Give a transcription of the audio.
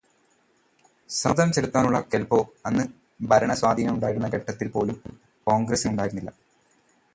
സമ്മര്ദ്ദം ചെലുത്താനുള്ള കെല്പ്പോ അന്നു ഭരണസ്വാധീനമുണ്ടായിരുന്ന ഘട്ടത്തില് പോലും കോണ്ഗ്രസിനുണ്ടായിരുന്നില്ല.